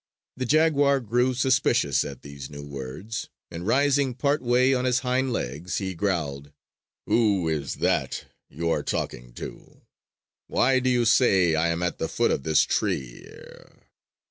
The jaguar grew suspicious at these new words, and, rising part way on his hind legs, he growled: "Who is that you are talking to? Why do you say I am at the foot of this tree!"